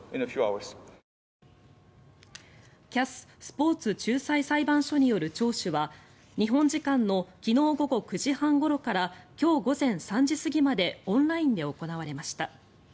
ＣＡＳ・スポーツ仲裁裁判所による聴取は日本時間の昨日午後９時半ごろから今日午前３時過ぎまでオンラインで行われました。